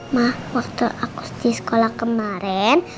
mah waktu aku di sekolah kemarin